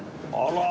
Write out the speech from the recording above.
あら！